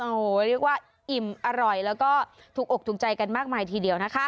โอ้โหเรียกว่าอิ่มอร่อยแล้วก็ถูกอกถูกใจกันมากมายทีเดียวนะคะ